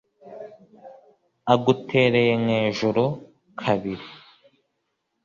agutereye nk’ejuru kabiri